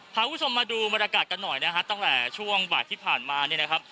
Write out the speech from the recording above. พาคุณผู้ชมมาดูบรรยากาศกันหน่อยนะฮะตั้งแต่ช่วงบ่ายที่ผ่านมาเนี่ยนะครับ